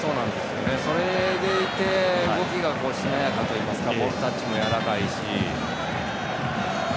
それでいて動きがしなやかといいますかボールタッチもやわらかいし。